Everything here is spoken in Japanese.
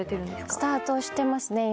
スタートしてますね今。